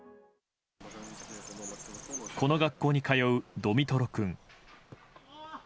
この学校に通うドミトロ君。